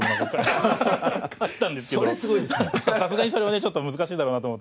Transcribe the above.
さすがにそれはねちょっと難しいだろうなと思って。